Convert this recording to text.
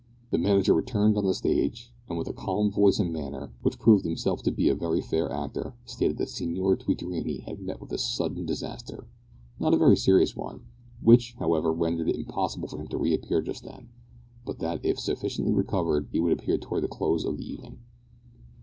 The manager returned on the stage, and, with a calm voice and manner, which proved himself to be a very fair actor, stated that Signor Twittorini had met with a sudden disaster not a very serious one which, however, rendered it impossible for him to re appear just then, but that, if sufficiently recovered, he would appear towards the close of the evening.